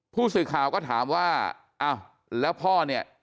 ผู้สื่อข่าวก็ถามว่าอ้าวแล้วพ่อเนี่ย